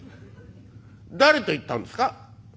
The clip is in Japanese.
「誰と行ったんですか？」。